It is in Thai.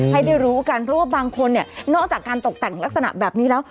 ให้ได้รู้กันเพราะว่าบางคนเนี่ยนอกจากการตกแต่งลักษณะแบบนี้แล้ว